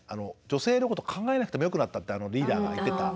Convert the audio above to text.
女性のことを考えなくてもよくなったってあのリーダーが言ってた。